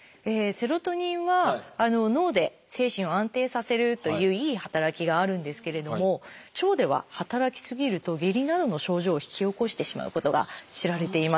セロトニンは脳で精神を安定させるといういい働きがあるんですけれども腸では働き過ぎると下痢などの症状を引き起こしてしまうことが知られています。